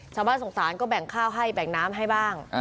ชาวบ้านสงสารก็แบ่งข้าวให้แบ่งน้ำให้บ้าง